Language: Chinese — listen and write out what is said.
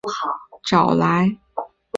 连忙将在附近工作的母亲找来